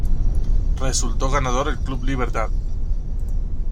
Resultó ganador el Club Libertad.